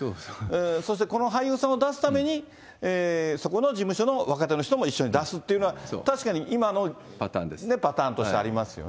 そしてこの俳優さんを出すために、そこの事務所の若手の人も一緒に出すっていうのは、確かに今のパターンとしてありますよね。